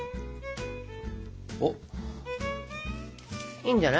いいんじゃない？